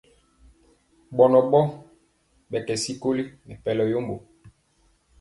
Ɓɔnɔ ɓɔɔ kɛ sikoli nɛ pɛlɔ yombo.